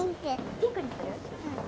ピンクにする？